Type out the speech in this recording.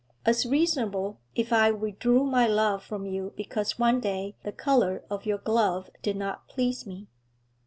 As reasonable if I withdrew my love from you because one day the colour of your glove did not please me.